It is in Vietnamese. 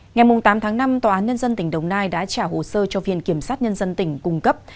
ngày tám tháng năm tòa án nhân dân tỉnh đồng nai đã trả hồ sơ cho viện kiểm sát nhân dân tỉnh cung cấp